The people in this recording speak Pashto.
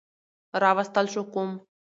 راوستل شو کوم